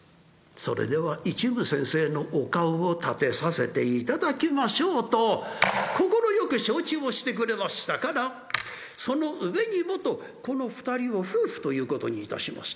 それでは一夢先生のお顔を立てさせていただきましょう」と快く承知をしてくれましたからその上にもとこの２人を夫婦ということにいたします。